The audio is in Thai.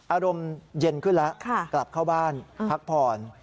อารมณ์เย็นขึ้นแล้วกลับเข้าบ้านพักผ่อน